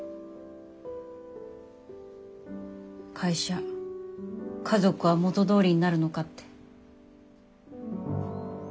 会社家族は元どおりになるのかって。